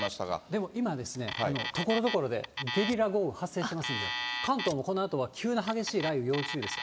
でも今ですね、ところどころでゲリラ豪雨発生してますんで、関東もこのあとは急な激しい雷雨、要注意です。